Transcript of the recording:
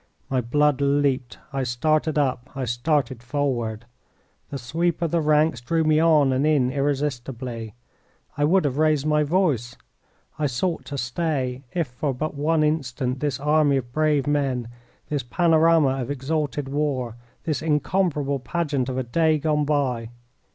My blood leaped. I started up. I started forward. The sweep of the ranks drew me on and in irresistibly. I would have raised my voice. I sought to stay, if for but one instant, this army of brave men, this panorama of exalted war, this incomparable pageant of a day gone by!